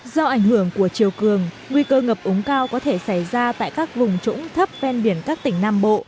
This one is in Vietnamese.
do ảnh hưởng của chiều cường nguy cơ ngập úng cao có thể xảy ra tại các vùng trũng thấp ven biển các tỉnh nam bộ